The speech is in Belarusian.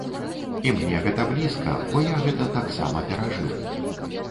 І мне гэта блізка, бо я гэта таксама перажыў.